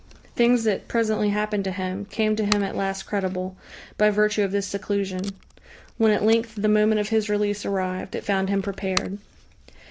Things that presently happened to him, came to him at last credible, by virtue of this seclusion. When at length the moment of his release arrived, it found him prepared....